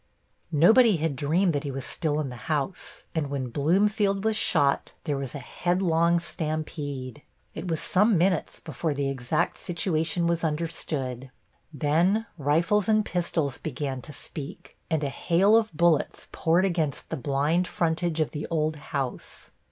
Nobody had dreamed that he was still in the house, and when Bloomfield was shot there was a headlong stampede. It was some minutes before the exact situation was understood. Then rifles and pistols began to speak, and a hail of bullets poured against the blind frontage of the old house.